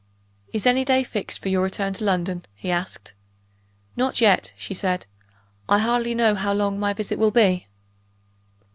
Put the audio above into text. "Is any day fixed for your return to London?" he asked. "Not yet," she said; "I hardly know how long my visit will be."